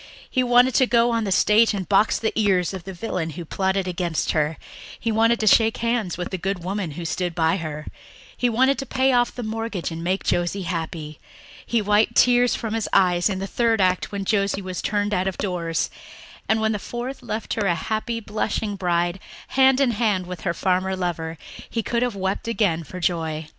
He wanted to go on the stage and box the ears of the villain who plotted against her; he wanted to shake hands with the good woman who stood by her; he wanted to pay off the mortgage and make Josie happy. He wiped tears from his eyes in the third act when Josie was turned out of doors and, when the fourth left her a happy, blushing bride, hand in hand with her farmer lover, he could have wept again for joy.